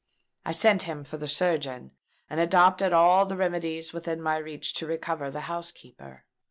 I sent him for a surgeon, and adopted all the remedies within my reach to recover the housekeeper.